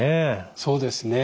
そうですね。